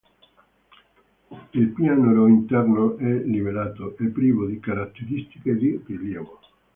Il pianoro interno è livellato e privo di caratteristiche di rilievo.